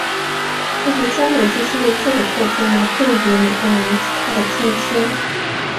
科学家们就是用这个特征来辨别美颌龙及它的近亲。